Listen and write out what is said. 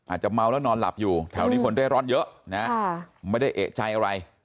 อาจจะเมาแล้วนอนหลับอยู่แถวนี้คนเร่ร่อนเยอะนะไม่ได้เอกใจอะไร